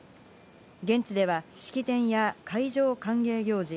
現地では式典や海上歓迎行事